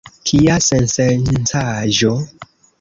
Kia sensencaĵo?